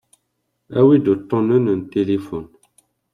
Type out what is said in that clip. Awi-d uṭṭunen n tilifun.